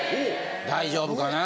大丈夫かな。